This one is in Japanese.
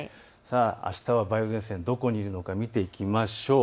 あしたは梅雨前線、どこにいるのか見ていきましょう。